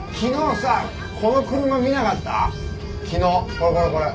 これこれこれ。